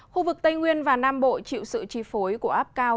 khu vực tây nguyên và nam bộ chịu sự chi phối của áp cao